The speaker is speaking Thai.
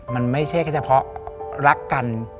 มันไม่ใช่แค่เฉพาะรักกัน